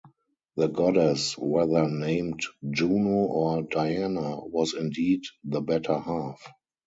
The goddess, whether named Juno or Diana, was indeed the better half.